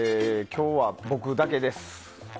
今日は僕だけです。